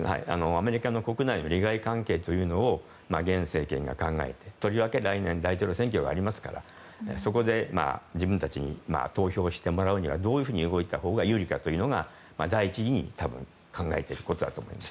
アメリカ国内の利害関係というのを現政権が考えてとりわけ来年大統領選挙がありますからそこで自分たちに投票してもらうにはどういうふうに動いたほうが有利かというのが第一義に多分考えていることだと思います。